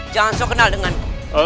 jangan saja kenal dengan aku